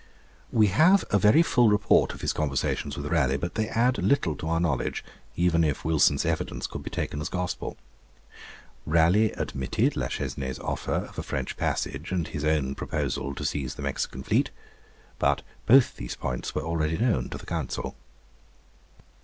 We have a very full report of his conversations with Raleigh, but they add little to our knowledge, even if Wilson's evidence could be taken as gospel. Raleigh admitted La Chesnée's offer of a French passage, and his own proposal to seize the Mexican fleet; but both these points were already known to the Council.